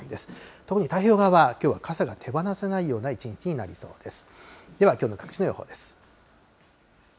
特に太平洋側、きょうは傘が手放せないような一日になりそうです。